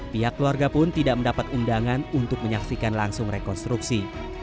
pihak keluarga pun tidak mendapat undangan untuk menyaksikan langsung rekonstruksi